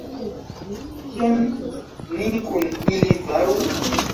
Kion ni kun ili faru?